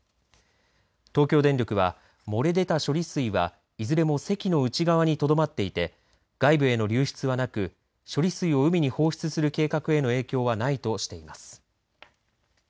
東京電力は漏れ出た処理水はいずれもせきの内側にとどまっていて外部への流出はなく処理水を海に放出する計画への影響はないとしています。